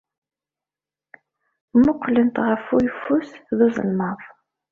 Mmuqqlent ɣef uyeffus ed uzelmaḍ.